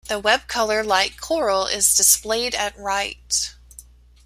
The web color light coral is displayed at right.